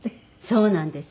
そうなんです。